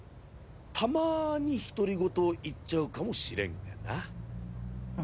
たまに独り言を言っちゃうかもしれんがな。